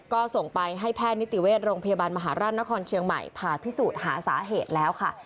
ก็ส่งไปให้แพทย์นิติเวชโรงพยาบาลมหาราชนครเชียงใหม่ผ่าพิสูจน์หาสาเหตุแล้วค่ะ